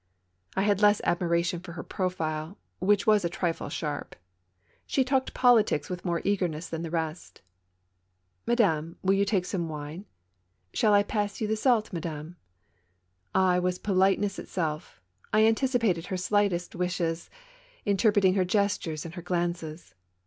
I had less admiration for her profile, which was a trifle sharp. She talked politics with more eagerness than the rest. TWO CHARMERS. 25 " Madame, will you take some wine ? Shall I pass you the salt, madame? '' I was politeness itself, I anticipated her slightest wishes, interpreting her gestures and her glances.